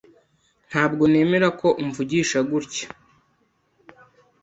Ntabwo nemera ko umvugisha gutya.